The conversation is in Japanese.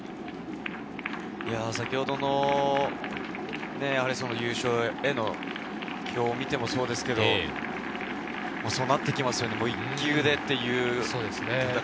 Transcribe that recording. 先ほどの優勝への表を見てもそうですけれど、そうなってきますよね。